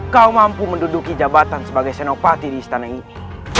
kau mampu menduduki jabatan sebagai senopati di istana ini